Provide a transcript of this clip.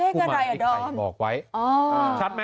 เลขอะไรอ่ะดอม